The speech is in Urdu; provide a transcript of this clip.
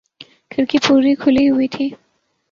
کھڑکی پوری کھلی ہوئی تھی